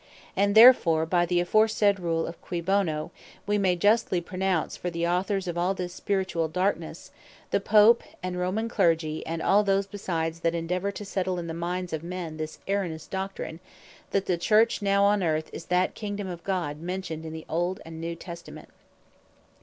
And therefore by the aforesaid rule, of Cui Bono, we may justly pronounce for the Authors of all this Spirituall Darknesse, the Pope, and Roman Clergy, and all those besides that endeavour to settle in the mindes of men this erroneous Doctrine, that the Church now on Earth, is that Kingdome of God mentioned in the Old and New Testament.